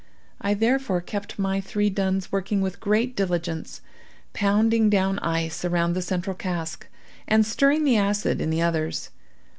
I therefore kept my three duns working with great diligence, pounding down ice around the central cask, and stirring the acid in the others.